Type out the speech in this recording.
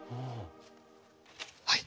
はい。